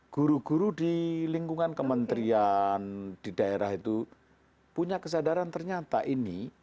guru guru di lingkungan kementerian di daerah itu punya kesadaran ternyata ini